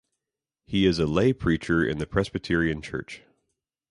He is a lay preacher in the Presbyterian Church.